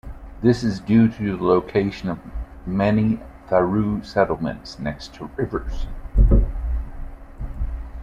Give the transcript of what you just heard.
This is due to the location of many Tharu settlements next to rivers.